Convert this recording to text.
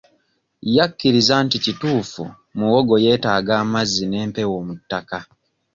Yakkirizza nti kituufu muwogo yeetaaga amazzi n'empewo mu ttaka.